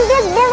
ini dia bela